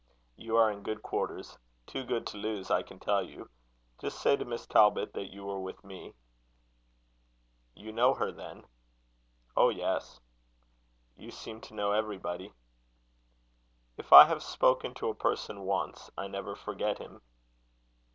You are in good quarters too good to lose, I can tell you. Just say to Miss Talbot that you were with me." "You know her, then?" "Oh, yes." "You seem to know everybody." "If I have spoken to a person once, I never forget him."